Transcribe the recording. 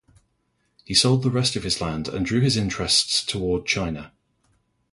He sold the rest of his land and drew his interests toward China.